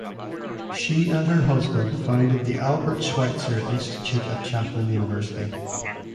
She and her husband founded the Albert Schweitzer Institute at Chapman University.